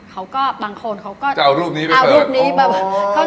เขาก็บางคนเขาก็จะเอารูปนี้ไปเปิด